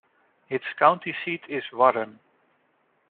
Its county seat is Warren.